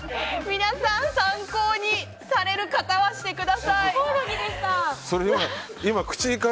皆さん、参考にされる方はしてください。